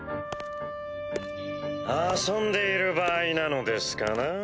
遊んでいる場合なのですかな？